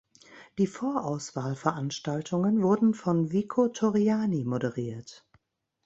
Die Vorauswahl-Veranstaltungen wurden von Vico Torriani moderiert.